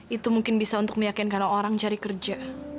itu mungkin bisa untuk meyakinkan orang cari kerja